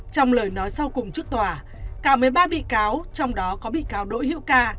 trong lời nói sau cùng trước tòa cả một mươi ba bị cáo trong đó có bị cáo đỗ hữu ca